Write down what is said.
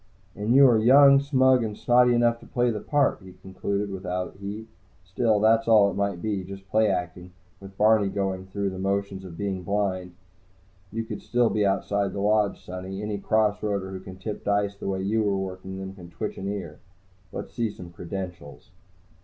"And you are young, smug and snotty enough to play the part," he concluded without heat. "Still, that's all it might be, just play acting, with Barney going through the motions of being blind. You could be outside the Lodge, sonny. Any cross roader who can tip dice the way you were working them can twitch an ear. Let's see some credentials."